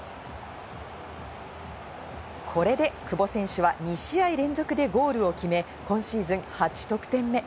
これで久保選手は２試合連続でゴールを決め、今シーズン８得点目。